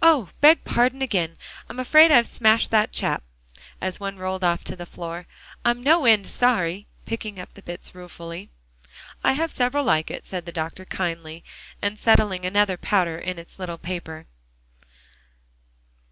"Oh! beg pardon again. I'm afraid I've smashed that chap," as one rolled off to the floor. "I'm no end sorry," picking up the bits ruefully. "I have several like it," said the doctor kindly, and settling another powder in its little paper.